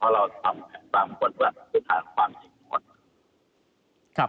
เพราะเราทำแผนตามบทวันคือทางความยิงโน้น